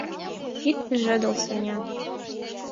Ит пижедыл, Саня!